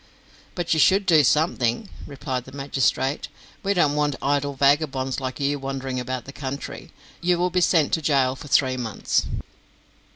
"But you should do something," replied the magistrate; "we don't want idle vagabonds like you wandering about the country. You will be sent to gaol for three months."